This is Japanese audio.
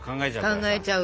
考えちゃう。